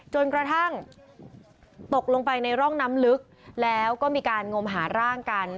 จนกระทั่งตกลงไปในร่องน้ำลึกแล้วก็มีการงมหาร่างกัน